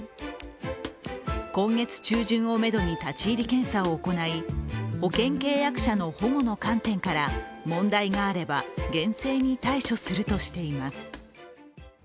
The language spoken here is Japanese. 今月中旬をめどに立ち入り検査を行い保険契約者の保護の観点から、問題があれば厳正に対処するとしています。